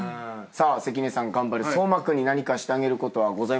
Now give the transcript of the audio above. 関根さん頑張る颯真君に何かしてあげることはございますか？